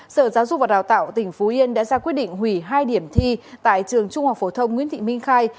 sở giáo dục và đào tạo tỉnh phú yên đã ra quyết định hủy hai điểm thi tại trường trung học phổ thông nguyễn thị minh khai